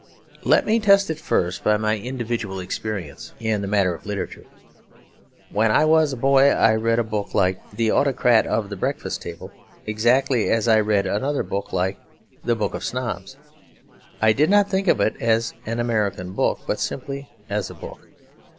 Let me test it first by my individual experience in the matter of literature. When I was a boy I read a book like The Autocrat of the Breakfast Table exactly as I read another book like The Book of Snobs. I did not think of it as an American book, but simply as a book.